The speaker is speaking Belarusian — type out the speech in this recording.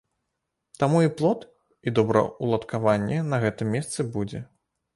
Таму і плот, і добраўладкаванне на гэтым месцы будзе.